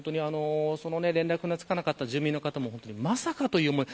連絡がつかなかった住民の方もまさかという思い。